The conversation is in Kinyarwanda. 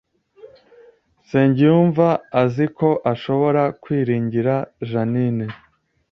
Nsengiyumva azi ko ashobora kwiringira Jeaninne